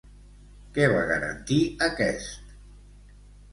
Què va garantir aquest?